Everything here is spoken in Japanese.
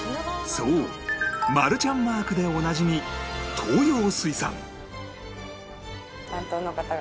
そうマルちゃんマークでおなじみ担当の方が。